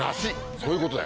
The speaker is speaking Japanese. そういうことだよ。